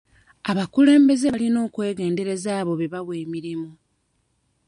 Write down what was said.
Abakulembeze balina okwegendereza abo be bawa emirimu.